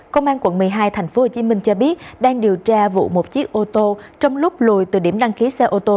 công an quận một mươi hai tp hcm cho biết đang điều tra vụ một chiếc ô tô trong lúc lùi từ điểm đăng ký xe ô tô